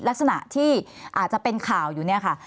ลักษณะที่อาจจะเป็นข่าวอยู่เนี่ยค่ะ